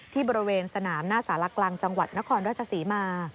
ที่บริเวณสนามหน้าสารกลางจังหวัดนครราชศรีมา